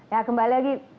ya kembali lagi